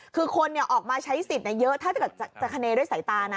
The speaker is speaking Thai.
คือคนออกมาใช้สิทธิ์เยอะถ้าเกิดจะคเนด้วยสายตานะ